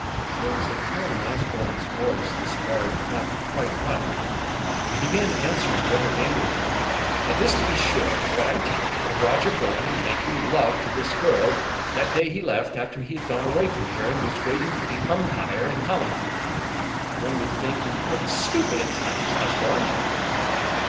There was a tone in Osborne's voice the Squire did not quite like; and he began answering rather angrily. "Of this, to be sure of what I'm telling you of Roger going and making love to this girl, that day he left, after he had gone away from here, and was waiting for the 'Umpire' in Hollingford. One would think you quite stupid at times, Osborne."